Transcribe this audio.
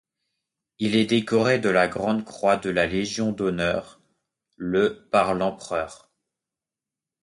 Il est décoré de la Grand-croix de la Légion d'honneur le par l'empereur.